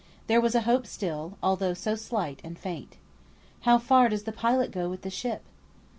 There was a hope still, although so slight and faint. "How far does the pilot go with the ship?"